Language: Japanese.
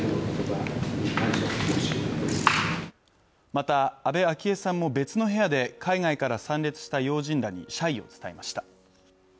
また安倍昭恵さんも別の部屋で海外から参列した要人らに謝意を伝えました。